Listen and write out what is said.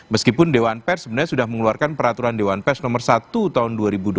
meskipun dewan pers sebenarnya sudah mengeluarkan peraturan dewan pers nomor satu tahun dua ribu dua puluh